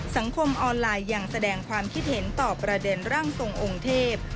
สังคมออนไลน์ยังแสดงความคิดเห็นต่อประเด็นร่างทรงองค์เทพ